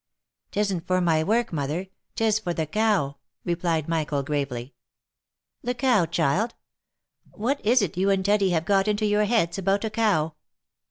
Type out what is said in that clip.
" 'Tisn't for my work, mother ; 'tis for the cow," replied Michael, gravely. " The cow, child ? What is it you and Teddy have got into your heads about a cow